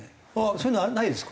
そういうのはないですか？